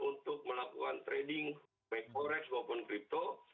untuk melakukan trading baik forex maupun crypto